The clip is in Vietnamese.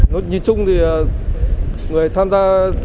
nhìn chung thì người tham gia